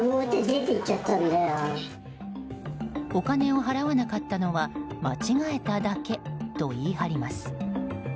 お金を払わなかったのは間違えただけと言い張ります。